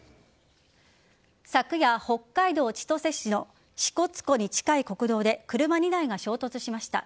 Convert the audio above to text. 昨夜、北海道千歳市の支笏湖に近い国道で車２台が衝突しました。